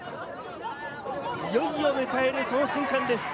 いよいよ迎えるその瞬間です。